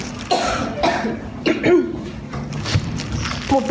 thì em cứ làm thứ